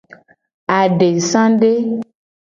Adesade.